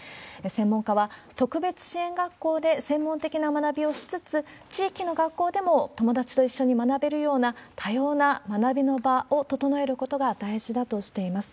専門家は、特別支援学校で専門的な学びをしつつ、地域の学校でも友達と一緒に学べるような多様な学びの場を整えることが大事だとしています。